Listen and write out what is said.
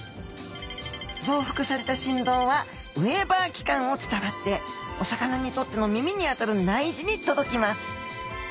ぞうふくされたしんどうはウェーバー器官を伝わってお魚にとっての耳にあたる内耳に届きます。